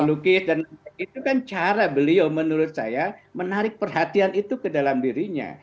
melukis dan itu kan cara beliau menurut saya menarik perhatian itu ke dalam dirinya